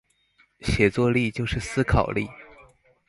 寫作力就是思考力